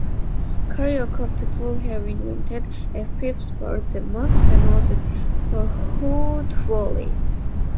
"Carioca" people have invented a few sports; the most famous is footvolley.